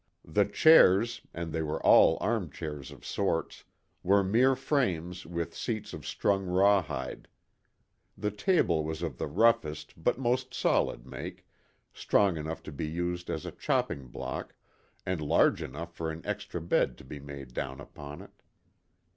The chairs, and they were all armchairs of sorts, were mere frames with seats of strung rawhide. The table was of the roughest but most solid make, strong enough to be used as a chopping block, and large enough for an extra bed to be made down upon it.